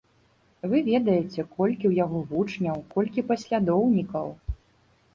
Вы ведаеце, колькі ў яго вучняў, колькі паслядоўнікаў.